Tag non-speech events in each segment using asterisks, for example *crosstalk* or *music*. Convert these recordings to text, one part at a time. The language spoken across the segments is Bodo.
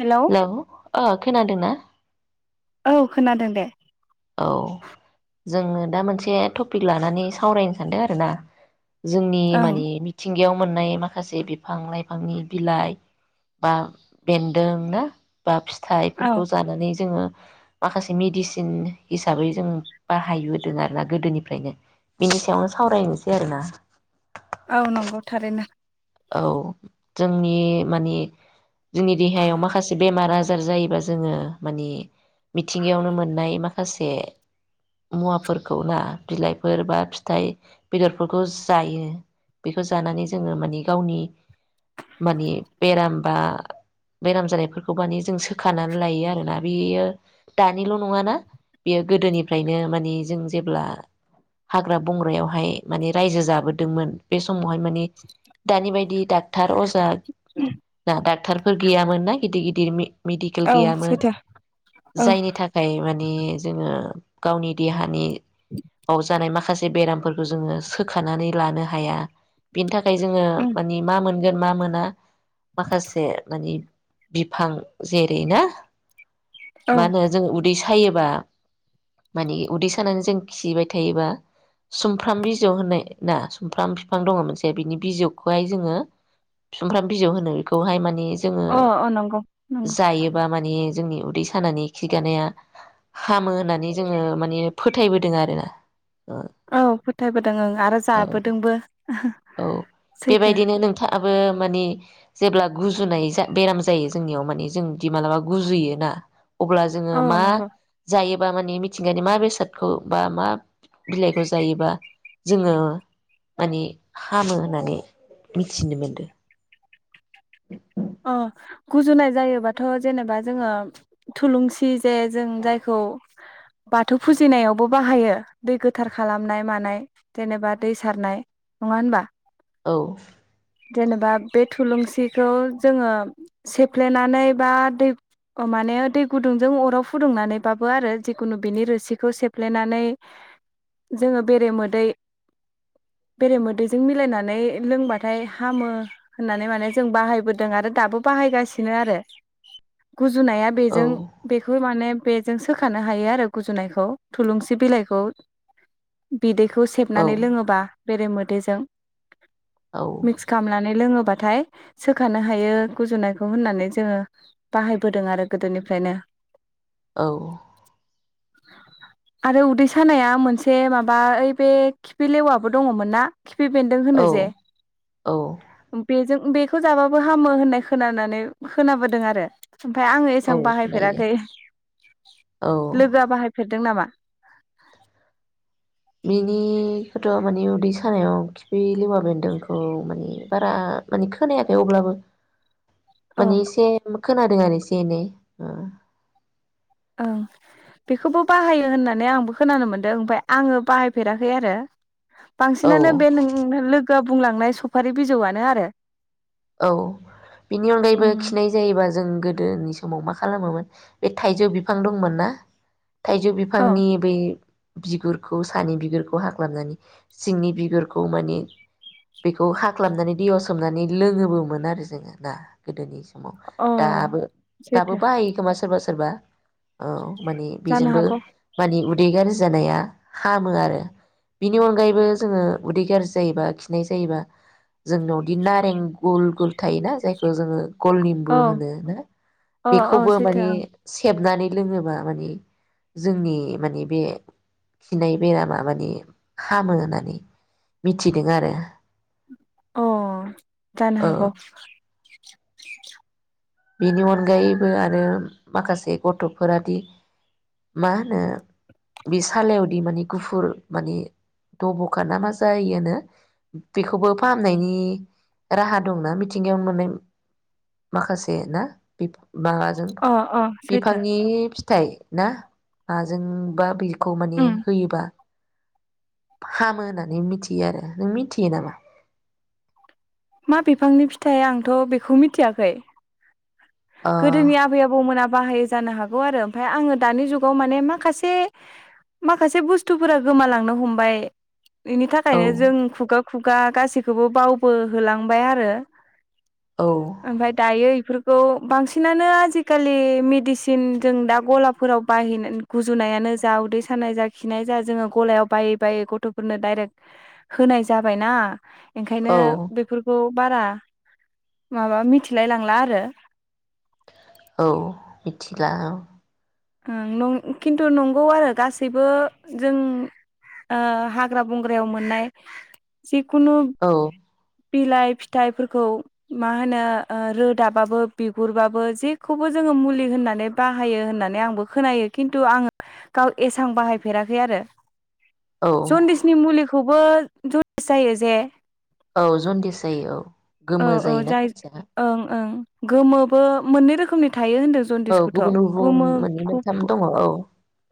Hello hello. ओ खोनादोंना? औ खोनादों दे। औ जोङो दा मोनसे टपिक लानानै सावरायनो सानदों आरोना। जोंनि ओं माने मिथिं बेयाव मोननाय माखासे बिफां लाइफांनि बिलाइ बा बेन्दों ना बा औ फिथाइफोरखौ जानानै जोङो माखासे मेडिसिन हिसाबै जों बाहायबोदों आरोना गोदोनिफ्रायनो बिनि सायावनो सावरायनोसै आरोना। औ नंगौ थारैनो। औ जोंनि मानि जोंनि देहायाव माखासे बेमार आजार जायोबा जोङो माने मिथिंगायावनो मोननाय माखासे मुवाफोरखौ ना बिलाइफोर बा फिथाइ बेदरफोरखौ जायो। बेखौ जानानै जोङो माने गावनि माने बेराम बा बेराम जानायफोरखौ जों माने सो खानानै लायो आरोना। बेयो दानिल' नङा ना बेयो गोदोनिफ्रायनो मानि जों जेब्ला हाग्रा बंग्रायावहाय माने रायजो जाबोदोंमोन। बे समावहाय मानि बायदि डाक्टार अजा डक्टारफोर गैयामोन ना। गिदि गिदिरमि मेडिकेल औ गैयामोन सैथो औ जायनि थाखाय माने जोङो गावनि देहानि औ जानाय माखासे जे बेरामफोरखौ जोङो सोखानानै लानो हाया। बिनि थाखाय जोङो मानि मा मोन गोन मा मोना माखासे मानि बिफां जेरै ना? औ मा होनो जों उदै थायोबा माने उदै सानानै जों खिबाय थायोबा सुमफ्राम बिजौ होननाय ना सुमफ्राम बिफां दङ मोनसे बिनि बिजौ खौहाय जोङो सुमफ्राम बिजौ होनो इ खौहाय माने जोङो अ अ नंगौ नंगौ जायोबा माने जोंनि उदै सानानै खिगानाया हामो होननानै जोङो माने फोथायबोदों आरो। औ फोथायबोदों ओं आरो औ जाबोदोंबो औ सै बेबायदिनो नोंथाङा आबो ओ मानि जेब्ला गुजुनाय जा बेराम जायो जोंनियाव माने जों बि मालाबा गुजुयोना अब्ला जोङो औ मा नंगौ जायो बा मानि मिथिंगानि मा बेसादखौ बा मा बिलाइखौ जायोबा जोङो माने हामो होननानै मिथिनो मोनदो? अ गुजुनाय जायोबाथ' जेनेबा जोङो थुलुंसि जे जों जायखौ बाथौ फुजिनायावबो बाहायो दै गोथार खालामनाय मानाय जेनेबा दै सारनाय। नङा होनबा? औ जेनेबा बे थुलुंसिखौ जोङो सेफ्लेनानै बा दै माने दै गुदुंजों अराव फुदुंनानैबाबो आरो जिखुनु बिनि रोसिखौ सेफ्लेनानै जोङो बेरे मोदै बेरे मोदैजों मिलायनानै लोंबाथाय हामो होननानै माने जों बाहायबो आरो दाबो बाहायगासिनो आरो। गुजुनाया औ बेजों बेखौ माने बेजों सोखानो हायो आरो गुजुनायखौ थुलुंसि बिलाइखौ। बिदैखौ औ सेबनानै लोङोबा बेरेमोदैजों। औ मिक्स खालामनानै लोङोब्ला बाथाय सो होखानो हायो गुजुनायखौ होननानै जोङो बाहायबोदों आरो गोदोनिफ्रायनो। औ। आरो उदै सानाया मोनसे माबा ओइ बे खिफ लेवाबो दङमोन ना? खिफि बेन्दों होनो जे औ औ बेजों बे थोजाबाबो हामो होननाय खोनानानै खोनाबोदों आरो। ओमफफ्राय आङो औ एसेबां खोनायो बाहायफेराखै औ लोगोआ बाहायफेरदों नामा बेखौथ' मानि उदै सानायाव खिफि लेवा बेन्दोंखौ माने बारा माने खोनायाखै अब्लाबो औ मानि एसे खोनादों आरो एसे एनै। ओं बेखौबो बाहायो होननानै आंबो खोनानो मोनदों ओमफ्राय आङो बाहायफेराखै आरो। औ बांसिनानो बे लोगोआ। बुंलांनाय सुफारि बिजौआनो आरो। औ बिनि अनगायैबो उम खिनाय जायोबा। जों गोदोनि समाव मा खालामोमोन बे थाइजौ बिफां दंमोन ना? थाइजौ औ बिफांनि बै बिगुरखौ सानि बिगुरखौ हाख्लानानै, सिंनि बिगुरखौ माने बेखौ हाख्लानानै दैयाव सोमनानै लोङोबोमोन आरो जोङो ना गोदोनि सम अ दाबो दाबो सैथो बाहायो खोमा सोरबा सोर सोरबा औ माने जानो बेजोंबो हागौ मानि उदै गाज्रि जानाया हामो आरो बिनि अनगायैबो जोङो उदै गाज्रि जायोबा खिनाय जायोबा। जोंनावदि गल गल थायोना? जायखौ जोङो गल औ निमु होनो अ अ बेखौबो सैथो मानि सेबनानै। लोङोबा मानि जोंनि मानि बे खिनाय बेरामा माने हामो होननानै मिथिदों आरो। अ। जानो ओ हागौ। *inaudible* बेनि अनगायैबो आरो माखासे गथ'फोरा दि मा होनो बे सालायावदि माने गुफुर माने दब'खा ना मा जायो बेखौबो फाहामनायनि राहा दंना मिथिंगायाव मोननाय माखासे बे ना माबाजों अ अ सैथो बिफांनि फिथाय ना हाजोंबा बि खौ माने उम होयोबा हामो होननानै मिथियो आरो नों मिथियो नामा मा बिफांनि फिथाइ आंथ बेखौ मिथियाखै अ गोदोनि आबै आबौमोना बाहायो जानो हागौ आरो ओमफ्राय आङो दानि जुगाव माने माखासे-माखासे बुस्थुफोरा गोमालांनो हमबाय बेनि औ थाखायनो जों खुगा खुगा गासैखौबो बावबो होलांबाय आरो औ ओमफ्राय दायो इफोर खौ बांसिनानो आजिखालि मेडिसिन जों दा गलाफोराव बायहैनान गुजुनायानो जा उदै सानाय जा खिनाय जा जोङो गलायाव बायै-बायै गथ'फोरनो डायरेक्ट होनाय जाबायना ओंखायनो औ बेफोरखौ बारा माबा मिथिलाय लांला आरो औ मिथिला ओं ओं नं खिन्थु नंगौ आरो गासैबो जों ओ हाग्रा बंग्रायाव मोननाय जि खुनु औ बिलाइ फिथाइफोरखौ मा होनो ओ रोदाबाबो बिगुरबाबो जेखौबो जोङो मुलि होननानै बाहायो होननानै आंबो खोनायो खिन्थु आङो गाव एसां बाहायफेराखै आरो औ जनदिसनि मुलिुखौ बो जस दिस जायो जे औ जनदिेस जायो औ औ गोमो औ जायोना जाय मानसिया ओं ओं गोमोबो मोननै रोखोमनि थायो होनदों औ जनदिसखौथ' गुबुन-गुबुन गोमो मोननै मोनथाम गुफु दङ औ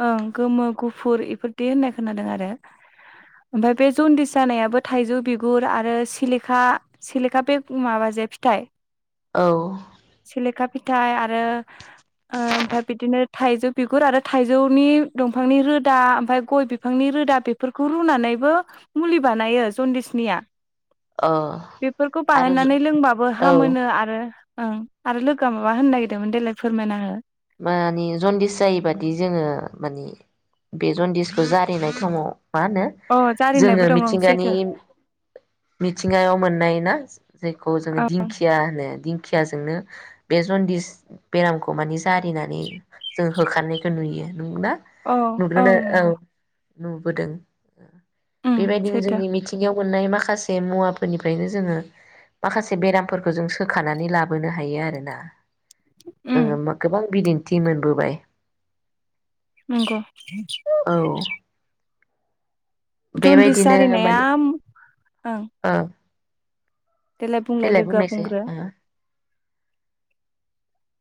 ओं गोमो गुफुर इफोरदि होननाय खोनादों आरो ओमफ्राय बे जनदिस जानायाबो थाइजौ बिगुर आरो सिलिखा- सिलिखा बे माबाजे फिथाय औ थाइ आरो ओ ओमफाय बिदिनो थाइजौ बिगुर आरो थाइजौनि दंफांनि रोदा ओमफाय गय बिफांनि रोदा बेफोरखौ रुनानैबो मुलि बानायो जन्दिसनिया अ बेफोरखौ आरो बानायनानै लोंबाबो औ हामोनो आरो ओं आरो सोर माबा होनो नागिरदोंमोन देेल्लाय फोरमायना हो मानि जन्दिस जायोबादि जोङो मानि बे जन्दिसखौ जारिनाय समाव मा होनो अ जोङो जारिनायबो दं ओं मिथिंगानि सैथो मिथिंगायाव मोननाय ना जायखौ जोङो औ दिंखिया होनो दिं खिया जोंनो बे जनदिस बेरामखौ मानि जारिनानै जों होखारनायखौ नुयो नोंगोना? औ ओं नोंगौ नुबोदों। बेबायदिनो सैथो जोंनि मिथिंगायाव अननाय माखासे मुवाफोरनिफ्रायनो जोङो माखासे बेरामफोरखौ जों सोखानानै लाबोनो हायो आरोना जोङो उम मा बिदिन्थि मोनबोबाय। नोंग' औ जनदिस बेबायदिनो जारिनाया माने ओं औ देलाय बुंलाय लोगोआ बुंग्रो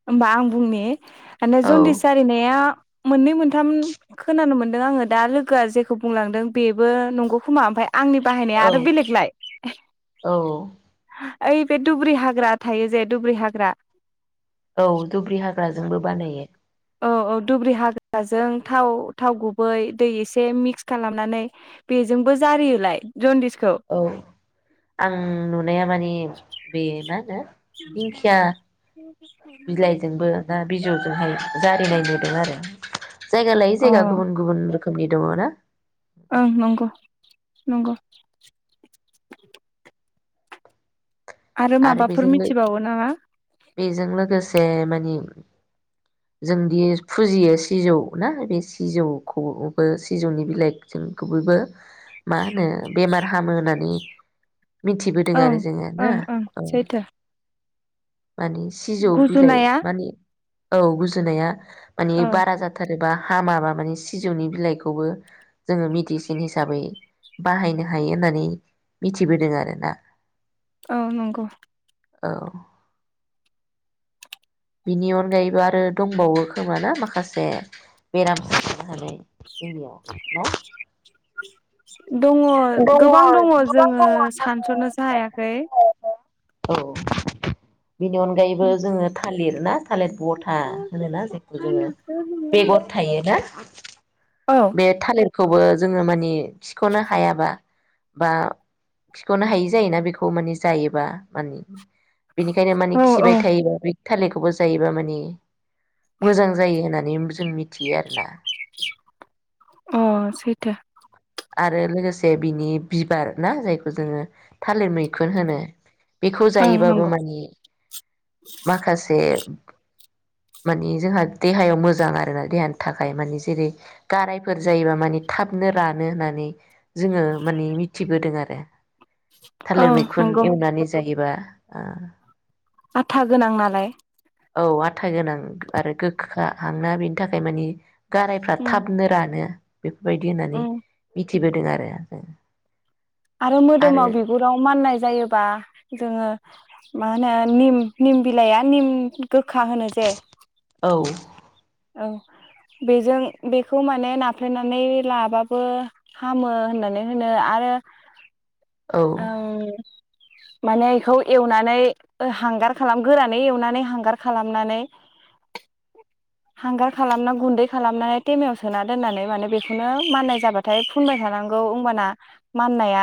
होमबा आं बुंनि आने ओ जन्दिस औ जारिनाया मोननै मोनथाम खोनानो मोनदों आङो दा लोगोआ जेखौ बुंलांदों बेबो नंगौ खोमा ओमफाय आंनि बाहायनाया औ आरो बेलेगलाय। औ ओइ बे दुब्रि हाग्रा थायो जे दुब्रि हाग्रा औ दुब्रि हा ग्राजोंबो बानायो। ब्रि हाग्राजों थाव थाव गुबै दै इसे मिक्स खालामनानै बेजोंबो जारियोलाय जन्दिस औ आं नुनाया माने बे मा होनो दिंखिया बिलाइजोंबो ना जों बेहाय जारिनाय नुदों आरो। जायगा लायो अ जायगा गुबुन गुबुन रो खोमनि दङ' ना? ओं नंगौ। नंगौ आरो माबाफोर मिथिबावो ना? बेजों लोगोसे मानि जोंदि फुजियो सिजौ ना बे सिजौखौबो सिजौनि बिलाइ जोंखोबो मा होनो बेमार हामो होननानै मिथिबोदों ओं आरो जोङो ना ओं ओं औ। सैथो माने सिजौ बिलाइ गुजुनाया माने औ गुजुनाया माने औ बारा जाथारोबा हामाबा माने सिजौनि बिलाइखौबो जोङो मेडिसिन हिसाबै बाहायनो हायो होननानै मिथिबोदों आरोना। औ नंगौ। औ। बिनि अनगायैबो आरो दंबावो खोमा ना माखासे बेराम *unintelligible* हानाय जोंनियाव ना? *inaudible* दङ गोबां दङ जोङो सानस'नोसो हायाखै। औ। बिनि अनगायैबो जोङो थालिर ना। थालिर बथा होनोना जेखौ जोङो बेगर थायो ना? औ बे थालिर खौबो जोङो मानि खिख'नो हायाबा बा खिख'नो हायि जायोना बेखौ माने जायोबा माने बिनिखायनो माने औ औ खिबाय थायोबा बे थालिरखौबो जायोबा माने मोजां जायो होननानै जों मिथियो आरोना। अ सैथो। आरो लोगोसे बिनि बिबार ना जायखौ जोङो थालिर मैखुन होनो बेखौ ओं जायोबाबो नंगौ माने माखासे मानि जोंहा देहायाव मोजां आरोना देहानि थाखाय माने जेरै गारायफोर जायोबा माने थाबनो रान नो होनानै जोङो मानि मिथि बोदों आरो। औ थालिर मैखुन नंगौ एवनानै जायोबा ओ आथा गोनां नालाय औ आथा गोनां आरो गोखाहांना बेनि थाखाय मानि गारायफ्रा उम थाबनो रानो। बेफोरबायदि होननानै उम मिथिबोदों आरो। आरो मोदोमाव बिगुराव माननाय जायोबा जोङो मा होनो निम निम बिलाइआ निम गोखा होनो जे औ। औ बेजों बेखौ माने नाफ्लेनानै लाबाबो हामो होननानै होनो आरो औ माने एखौ एवनानै ओ हांगार खालाम गोरानै एवनानै हांगार खालामनानै हांगार खालामना गुन्दै खालामनानै टेमायाव सोना दोननानै माने बेखौनो माननाय जाबाथाय फुनबाय थानांगौ होमबाना माननाया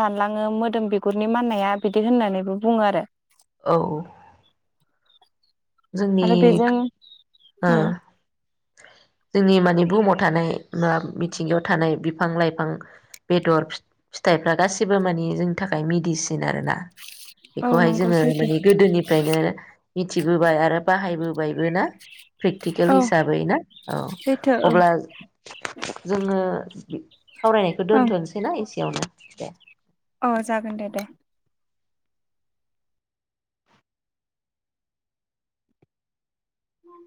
रानलाङो मोदोम बिगुरनि माननाया बिदि होननानैबो बुङो आरो औ औ जोंनि आरो बेजों ओ उम जोंनि मानि बुहुमाव थानाय मा मिथिंगायाव थानाय बिफां लाइफां बेदर फिथाइफ्रा गासिबो मानि जोंनि थाखाय मेडिसिन आरोना औ बेखौहाय नंगौ जोंङो सैथो माने गोदोनिफ्रायनो मिथिबोबाय आरो बाहायबो बायबो ना प्रेक्टिकेल औ हिसाबै ना औ सैथो औ अब्ला जोंङो बि सावरायनायखौ दोन्थ'नोसै ना एसे यावनो दे। अ जागोन दे दे। उ।